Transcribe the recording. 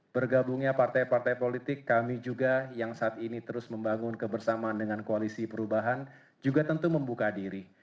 bergabungnya partai partai politik kami juga yang saat ini terus membangun kebersamaan dengan koalisi perubahan juga tentu membuka diri